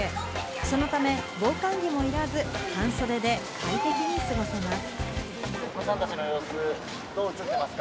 そのため防寒着もいらず、半袖で快適に過ごせます。